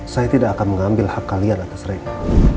saya tidak akan mengambil hak kalian atas mereka